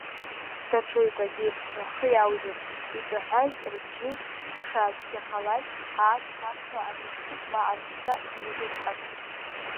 Даҽа ҩбагьы рхы иаужьын, иҿаҳәаз рбжьы шаацәгьахалак, аақ-сақҳәа агыгшәыг ма арҳәцәа инарзыҵҟьарц.